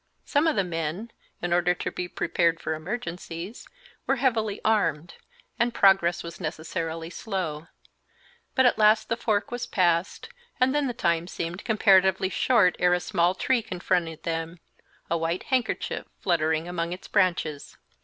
Some of the men, in order to be prepared for emergencies, were heavily armed, and progress was necessarily slow, but at last the fork was passed, and then the time seemed comparatively short ere a small tree confronted them, a white handkerchief fluttering among its branches.